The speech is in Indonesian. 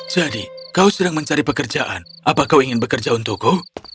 jadi kau sedang mencari pekerjaan apa kau ingin bekerja untukku